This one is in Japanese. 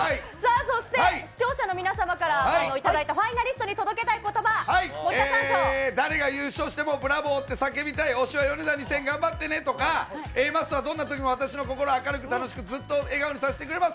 そして、視聴者の皆様から頂いたファイナリストの届けたいことば、誰が優勝してもブラボーって叫びたい、推しはヨネダ２０００頑張ってねとか、Ａマッソはどんなときも私の心を明るく楽しくずっと笑顔にさせてくれます。